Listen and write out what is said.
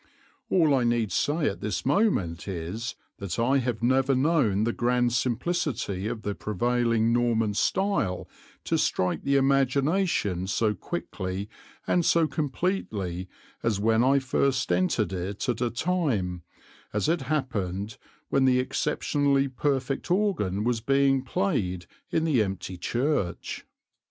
(All I need say at this moment is that I have never known the grand simplicity of the prevailing Norman style to strike the imagination so quickly and so completely as when I first entered it at a time, as it happened, when the exceptionally perfect organ was being played in the empty church.)